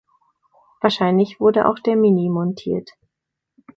Wahrscheinlich wurde auch der Mini montiert.